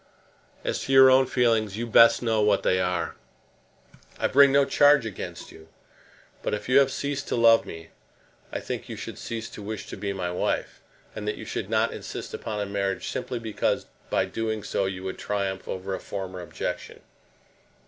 As to your own feelings, you best know what they are. I bring no charge against you; but if you have ceased to love me, I think you should cease to wish to be my wife, and that you should not insist upon a marriage simply because by doing so you would triumph over a former objection.